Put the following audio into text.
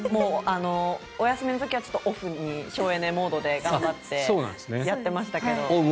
お休みの時はオフに省エネモードで頑張ってやってましたけど。